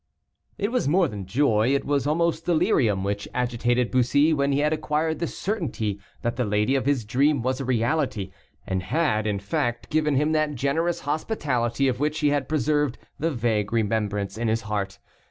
It was more than joy, it was almost delirium, which agitated Bussy when he had acquired the certainty that the lady of his dream was a reality, and had, in fact, given him that generous hospitality of which he had preserved the vague remembrance in his heart.